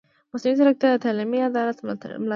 مصنوعي ځیرکتیا د تعلیمي عدالت ملاتړ کوي.